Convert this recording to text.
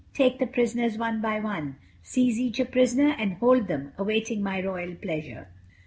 Take the prisoners one by one. Seize each a prisoner and hold them, awaiting my royal pleasure."